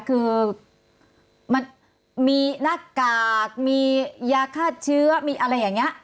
คือมันมีหน้ากากมียาฆ่าเชื้อมีอะไรอย่างนี้